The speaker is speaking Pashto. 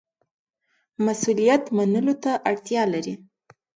مسوولیت منلو ته اړتیا لري